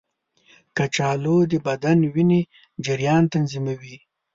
کچالو د بدن وینې جریان تنظیموي.